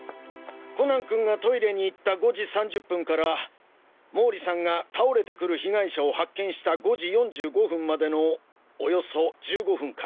コナン君がトイレに行った５時３０分から毛利さんが倒れてくる被害者を発見した５時４５分までのおよそ１５分間